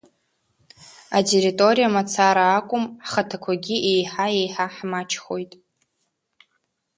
Атерриториа мацара акәым, ҳхаҭақәагьы еиҳа-еиҳа ҳмаҷхоит.